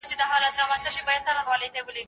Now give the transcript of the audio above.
لا د مرګ په خوب ویده دی!